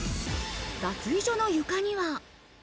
脱衣所の床には。